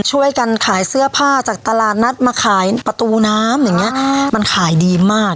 ช่วยกันขายเสื้อผ้าจากตลาดนัดมาขายประตูน้ำอย่างเงี้ยมันขายดีมาก